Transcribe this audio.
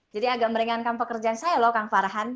jadi agak meringankan pekerjaan saya loh kang farhan